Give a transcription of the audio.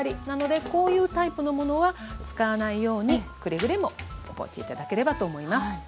なのでこういうタイプのものは使わないようにくれぐれも覚えて頂ければと思います。